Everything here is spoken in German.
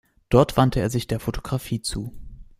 Dort wandte er sich der Fotografie zu.